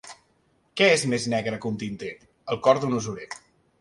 Què és més negre que un tinter? El cor d'un usurer.